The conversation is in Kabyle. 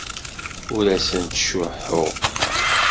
Ur asent-ttcuḥḥuɣ.